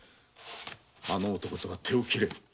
あの男とは手を切れ。